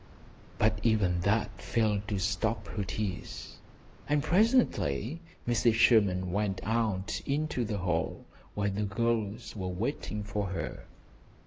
But even that failed to stop her tears, and presently Mrs. Sherman went out into the hall, where the girls were waiting for her.